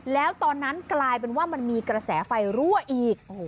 แล้วตอนนั้นกลายเป็นว่ามันมีกระแสไฟรั่วอีก